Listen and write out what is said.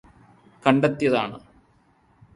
കണ്ടെത്തിയതാണ്